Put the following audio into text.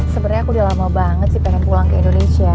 sebenarnya aku udah lama banget sih pengen pulang ke indonesia